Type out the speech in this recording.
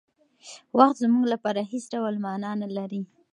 وخت زموږ لپاره هېڅ ډول مانا نهلري.